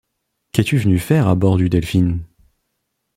Qu’es-tu venu faire à bord du Delphin?